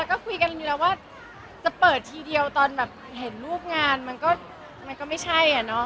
ก็คุยกันอยู่แล้วว่าจะเปิดทีเดียวตอนแบบเห็นรูปงานมันก็ไม่ใช่อ่ะเนาะ